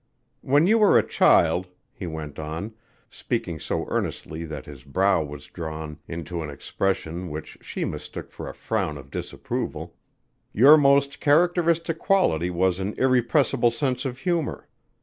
When you were a child," he went on, speaking so earnestly that his brow was drawn into an expression which she mistook for a frown of disapproval, "your most characteristic quality was an irrepressible sense of humor.